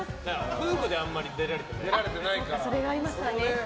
夫婦であんまり出られてないから。